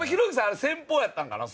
あれ戦法やったんかな？